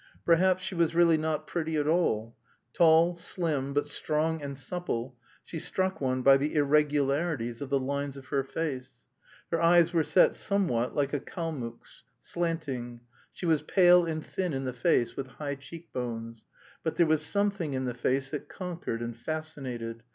Perhaps she was really not pretty at all. Tall, slim, but strong and supple, she struck one by the irregularities of the lines of her face. Her eyes were set somewhat like a Kalmuck's, slanting; she was pale and thin in the face with high cheek bones, but there was something in the face that conquered and fascinated!